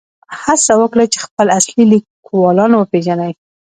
هڅه وکړئ چې خپل اصلي لیکوالان وپېژنئ.